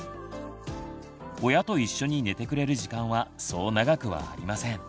親と一緒に寝てくれる時間はそう長くはありません。